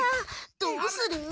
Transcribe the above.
どうする？